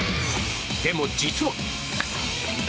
でも、実は。